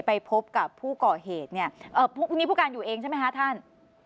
ไปพบกับผู้ก่อเหตุเนี่ยพรุ่งนี้ผู้การอยู่เองใช่ไหมคะท่าน